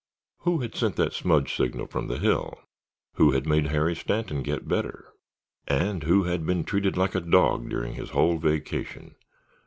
Who had sent that smudge signal from the hill? Who had made Harry Stanton get better? And who had been treated like a dog during his whole vacation?